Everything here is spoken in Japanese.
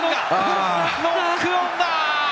ノックオンだ！